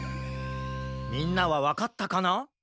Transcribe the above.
みんなはわかったかな？